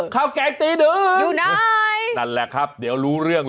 ข้าวแกรงตีนื้อหรืออยู่ไหนนั้นแหละครับเดี๋ยวรู้เรื่องเลย